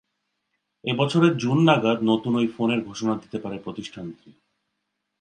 এ বছরের জুন নাগাদ নতুন ওই ফোনের ঘোষণা দিতে পারে প্রতিষ্ঠানটি।